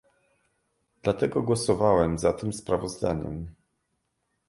Dlatego głosowałem za tym sprawozdaniem